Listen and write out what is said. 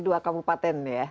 dua kabupaten ya